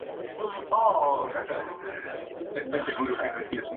Tras escapar del lugar es encontrada en un desierto vagando.